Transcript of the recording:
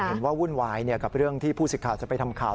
วุ่นวายกับเรื่องที่ผู้สิทธิ์จะไปทำข่าว